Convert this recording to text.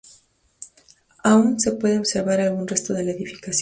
Aún se puede observar algún resto de la edificación.